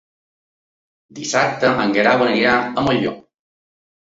Dissabte en Guerau anirà a Molló.